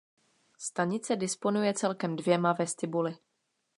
Stanice disponuje celkem dvěma vestibuly.